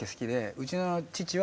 うちの父は。